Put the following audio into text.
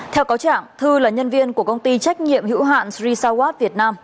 theo cáo trạng thư là nhân viên của công ty trách nhiệm hữu hạn sri sawat việt nam